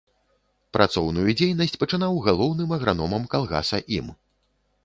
Працоўную дзейнасць пачынаў галоўным аграномам калгаса ім.